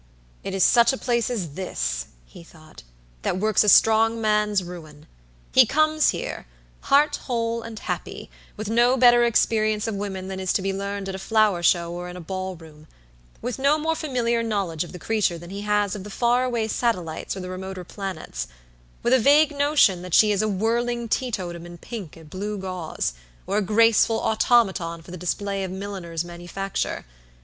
"It is such a place as this," he thought, "that works a strong man's ruin. He comes here, heart whole and happy, with no better experience of women than is to be learned at a flower show or in a ball room; with no more familiar knowledge of the creature than he has of the far away satellites or the remoter planets; with a vague notion that she is a whirling teetotum in pink or blue gauze, or a graceful automaton for the display of milliners' manufacture.